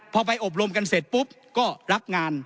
พอไปอบรมกันเสร็จปุ๊บก็รับงาน